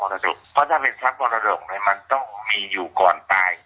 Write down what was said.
เพราะถ้าเป็นทรัพย์มรดกมันต้องมีอยู่ก่อนตาย